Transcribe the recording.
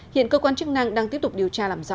hiện cơ quan chức năng đang tiếp tục điều tra làm rõ